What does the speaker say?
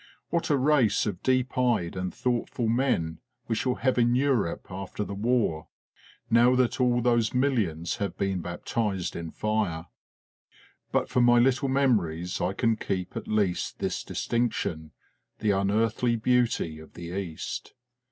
What a race of deep eyed and thoughtful men we shall have in Europe after the war now that all those millions have been baptized FORGOTTEN WARFARE 77 in fire! But for my little memories I can keep at least this distinction the unearthly beauty of the East.